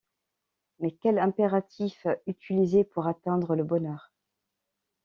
Mais quel impératif utiliser pour atteindre le bonheur?